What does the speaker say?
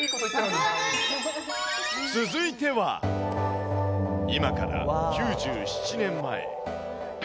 続いては、今から９７年前。